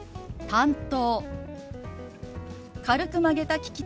「担当」。